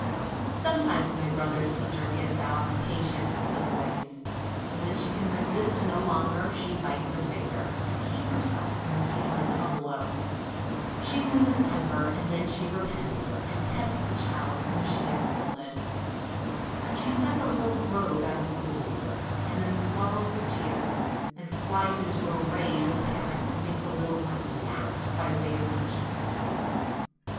Sometimes my brother's teacher gets out of pa tience with the boys ; and when she can resist no longer, she bites her finger, to keep herself from dealing a blow; she loses temper, and then she repents, and pets the child whom she has scolded ; she sends a little rogue out of school, and then swallows her tears, and flies into a rage with parents who make the little ones fast by way of punishment.